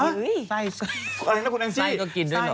อะไรนะคุณแอมซี่